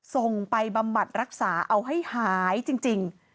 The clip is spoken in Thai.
ส่งไปบำบัดรักษาเอาให้หายจริง